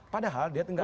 padahal dia tinggal